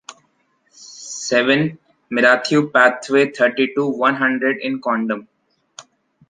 Seven, Mirateau pathway, thirty-two, one hundred in Condom